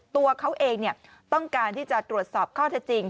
ตัวเขาเองต้องการที่จะตรวจสอบข้อเท็จจริง